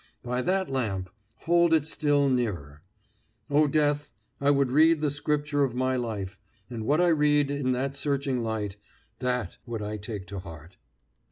By that lamp hold it still nearer, O Death I would read the scripture of my life, and what I read in that searching light, that would I take to heart.